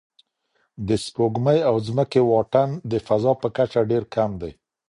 د سپوږمۍ او ځمکې واټن د فضا په کچه ډېر کم دی.